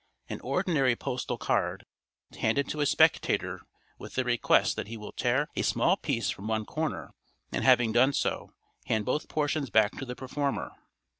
An ordinary postal card is handed to a spectator with a request that he will tear a small piece from one corner, and having done so, hand both portions back to the performer.